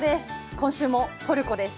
今週もトルコです。